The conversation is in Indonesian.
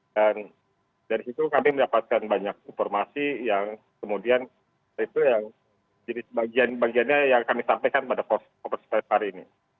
dan dari situ kami mendapatkan banyak informasi yang kemudian itu yang jadi bagian bagiannya yang kami sampaikan pada komersipan hari ini